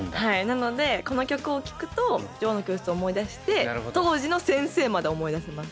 なのでこの曲を聴くと「女王の教室」を思い出して当時の先生まで思い出せます。